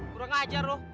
kurang ajar loh